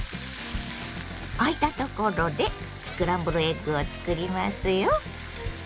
あいたところでスクランブルエッグを作りますよ。